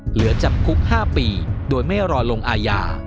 เหลือจำคุก๕ปีโดยไม่รอลงอาญา